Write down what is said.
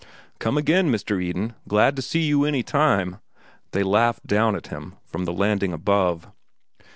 "Come again, Mr. Eden; glad to see you any time," they laughed down at him from the landing above.